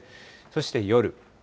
そして夜。